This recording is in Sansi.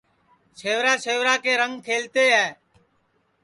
سیورا سیورا کے رنگ کھلتے ہے